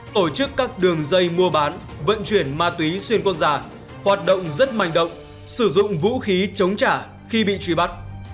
tổ chức các đường dây mua bán vận chuyển ma túy xuyên quân giả hoạt động rất mạnh động sử dụng vũ khí chống trả khi bị truy bắt